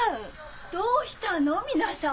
どうしたの皆さん